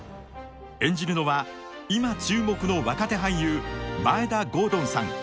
演じるのは今注目の若手俳優眞栄田郷敦さん。